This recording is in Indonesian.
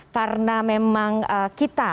karena memang kita